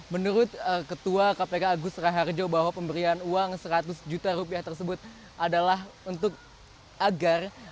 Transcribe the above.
menurut ketua kpk agus raharjo bahwa pemberian uang seratus juta rupiah tersebut adalah untuk agar